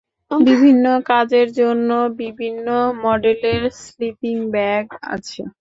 বিভিন্ন কাজের জন্য বিভিন্ন মডেলের স্লিপিং ব্যাগ আছে।